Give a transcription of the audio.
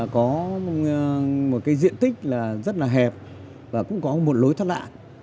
có một diện tích rất là hẹp và cũng có một lối thoát lạ